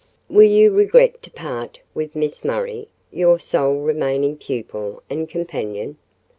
"Will you regret to part with Miss Murray, your sole remaining pupil and companion?"